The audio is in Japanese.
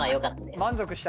満足した？